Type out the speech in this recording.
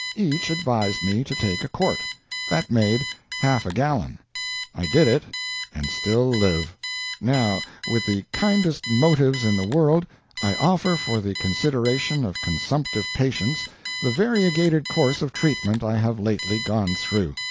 Each advised me to take a quart; that made half a gallon. I did it, and still live. Now, with the kindest motives in the world, I offer for the consideration of consumptive patients the variegated course of treatment I have lately gone through.